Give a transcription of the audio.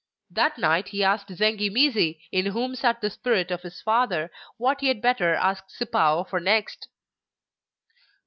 That night he asked Zengi mizi, in whom sat the spirit of his father, what he had better ask Sipao for next?